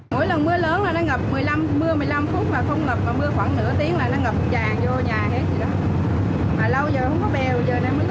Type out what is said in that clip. mỗi lần mưa lớn là nó ngập một mươi năm mưa một mươi năm phút mà không ngập mưa khoảng nửa tiếng là nó ngập tràn vô nhà hết